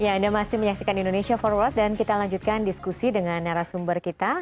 ya anda masih menyaksikan indonesia forward dan kita lanjutkan diskusi dengan narasumber kita